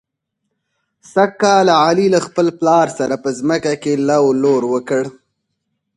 سږ کال علي له خپل پلار سره په ځمکه کې لو لور وکړ.